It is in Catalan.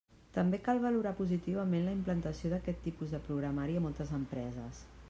També cal valorar positivament la implantació d'aquest tipus de programari a moltes empreses.